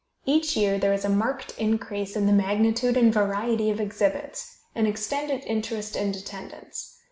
Each year there is a marked increase in the magnitude and variety of exhibits, and extended interest and attendance.